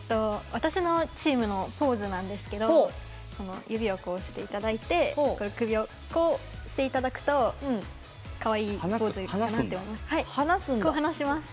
私のチームのポーズなんですけど指をこうしていただいて首を傾けていただくとかわいいポーズになるかなと思います。